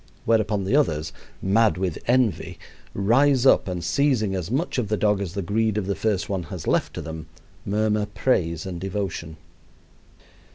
Whereupon the others, mad with envy, rise up, and seizing as much of the dog as the greed of the first one has left to them, murmur praise and devotion.